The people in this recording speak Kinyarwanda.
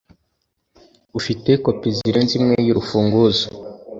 ufite kopi zirenze imwe y'urufunguzo